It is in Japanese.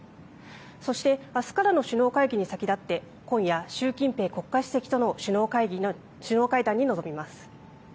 そしてあすからの首脳会議に先立って今夜、習近平国家主席との首脳会談に臨みます。